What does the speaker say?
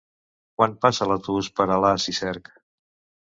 Quan passa l'autobús per Alàs i Cerc?